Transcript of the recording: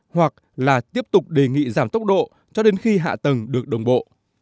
hoặc là tiếp tục đề nghị giảm tốc độ cho đến khi hạ tầng được đồng bộ